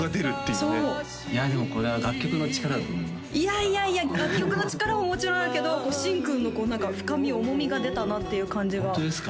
いやいや楽曲の力ももちろんあるけど新君の何か深み重みが出たなっていう感じがホントですか？